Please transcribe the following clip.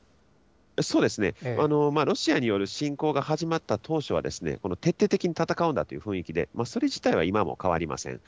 そうですね、ロシアによる侵攻が始まった当初は、徹底的に戦うんだという雰囲気で、それ自体は今も変わりません。